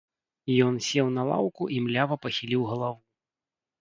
Ён сеў на лаўку і млява пахіліў галаву.